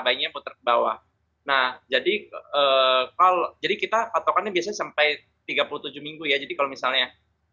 bayinya muter ke bawah nah jadi kalau jadi kita patokannya biasanya sampai tiga puluh tujuh minggu ya jadi kalau misalnya